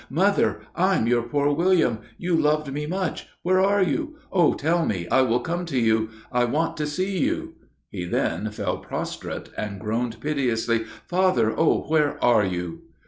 Mother! I'm your poor William you loved me much where are you? Oh tell me I will come to you I want to see you!" He then fell prostrate and groaned piteously. "Father! Oh! where are you?"